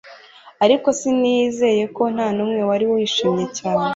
Ariko sinizeye ko ntanumwe wari wishimye cyane